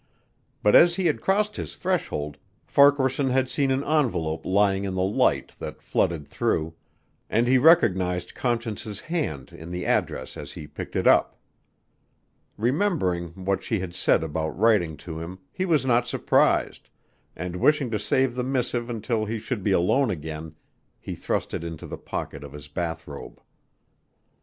But as he had crossed his threshold Farquaharson had seen an envelope lying in the light that flooded through, and he recognized Conscience's hand in the address as he picked it up. Remembering what she had said about writing to him he was not surprised, and wishing to save the missive until he should be alone again, he thrust it into the pocket of his bath robe.